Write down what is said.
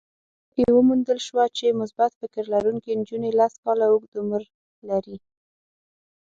پايلو کې وموندل شوه چې مثبت فکر لرونکې نجونې لس کاله اوږد عمر لري.